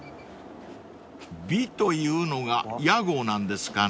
［「美」というのが屋号なんですかね］